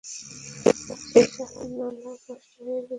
যেসব নালা নষ্ট হয়ে গেছে শিগগিরই সেগুলো মেরামতের ব্যবস্থা নেওয়া হবে।